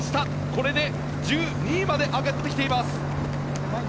これで１２位まで上がってきています。